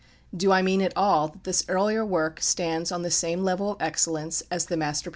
Do I mean at all that this earlier work stands on the same level of excellence as the masterpieces of the writer?